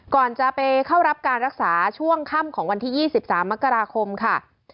ก่อนจะไปเข้ารับการรักษาช่วงค่ำของวันที่๒๓มกราคมค่ะ